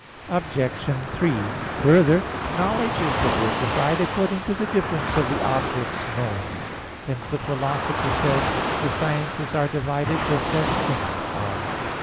Obj. 3: Further, knowledge is diversified according to the difference of the objects known: hence the Philosopher says (De Anima iii, text. 38), "The sciences are divided just as things are."